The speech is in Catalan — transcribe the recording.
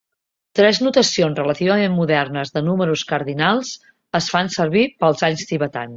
Tres notacions relativament modernes de números cardinals es fan servir pels anys tibetans.